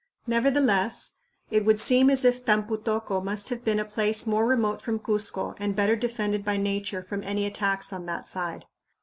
Nevertheless, it would seem as if Tampu tocco must have been a place more remote from Cuzco and better defended by Nature from any attacks on that side.